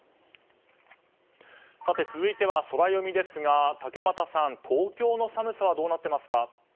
続いては、ソラよみですが竹俣さん、東京の寒さはどうなっていますか。